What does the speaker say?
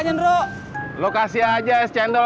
ada kali udah sepuluh tahun